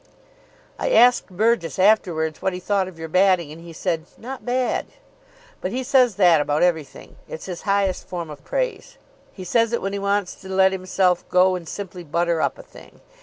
"I asked Burgess afterwards what he thought of your batting, and he said, 'Not bad.' But he says that about everything. It's his highest form of praise. He says it when he wants to let himself go and simply butter up a thing.